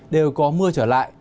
đều có mưa trở lại